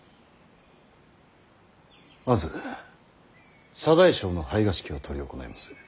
まず左大将の拝賀式を執り行います。